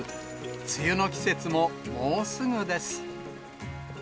梅雨の季節ももうすぐです。